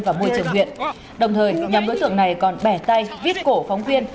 và môi trường huyện đồng thời nhóm đối tượng này còn bẻ tay viết cổ phóng viên